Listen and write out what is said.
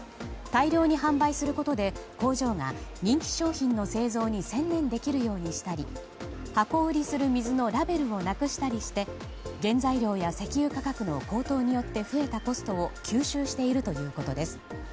大量に販売することで、工場が人気商品の製造に専念できるようにしたり箱売りする水のラベルをなくしたりして原材料や石油価格の高騰によって増えたコストを吸収しているということです。